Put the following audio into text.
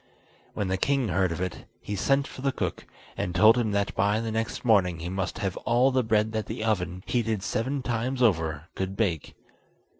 When the king heard of it, he sent for the cook, and told him that by the next morning he must have all the bread that the oven, heated seven times over, could bake.